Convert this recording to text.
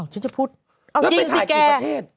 อ้าวฉันจะพูดอ้าวจริงจริงแก